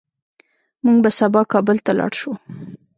موږ به سبا کابل ته لاړ شو